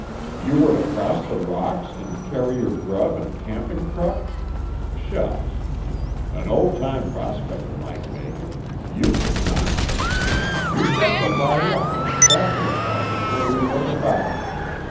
"You were to cross the rocks and carry your grub and camping truck? Shucks! An old time prospector might make it; you could not. You've got to lie up at the trapper's shack until we look about.